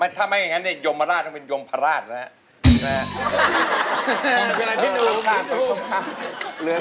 ถ้าไม่อย่างงั้นเนี้ยยมมาราชต้องเป็นยมพระราชเนี้ย